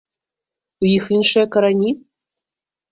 У іх іншыя карані?